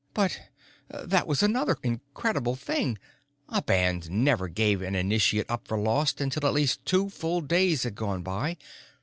But that was another incredible thing! A band never gave an initiate up for lost until at least two full days had gone by.